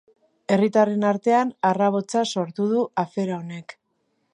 Herritarren artean harrabotsa sortu du afera honek